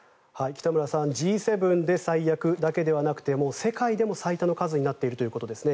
北村さんＧ７で最悪だけではなくて世界でも最多の数になっているということですね。